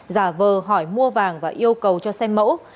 giả vờ hỏi mua vàng và yêu cầu cho xem mẫu